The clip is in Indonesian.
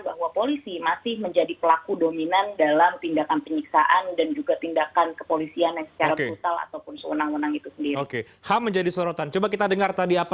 bahwa polisi masih menjadi pelaku dominan dalam tindakan penyiksaan